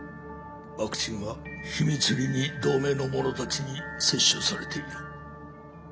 ワクチンは秘密裏に同盟の者たちに接種されている。